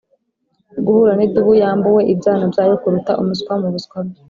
guhura nidubu yambuwe ibyana byayo kuruta umuswa mubuswa bwe